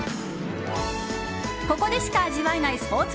ここでしか味わえないスポーツ